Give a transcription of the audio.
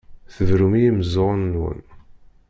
Tberrum i yimeẓẓuɣen-nwen.